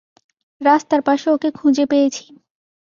রাস্তার পাশে ওকে খুঁজে পেয়েছি।